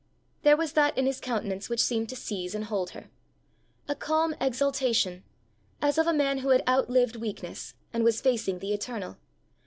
There was that in his countenance which seemed to seize and hold her a calm exaltation, as of a man who had outlived weakness and was facing the eternal.